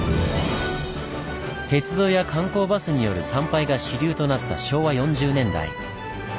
鉄道や観光バスによる参拝が主流となった昭和４０年代。